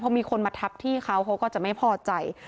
พอมีคนมาทับที่เขาเขาก็จะไม่พอใจ